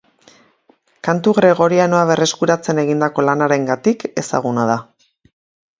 Kantu gregorianoa berreskuratzen egindako lanarengatik ezaguna da.